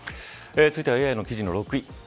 続いてはＡＩの記事の６位。